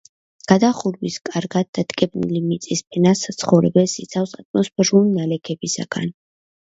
გადახურვის კარგად დატკეპნილი მიწის ფენა საცხოვრებელს იცავს ატმოსფერული ნალექებისაგან.